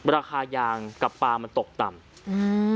ราคายางกับปลามันตกต่ำอืม